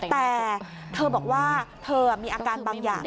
แต่เธอบอกว่าเธอมีอาการบางอย่าง